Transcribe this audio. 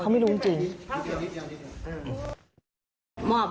เขาไม่รู้จริง